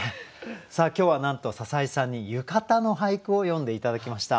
さあ今日はなんと篠井さんに「浴衣」の俳句を詠んで頂きました。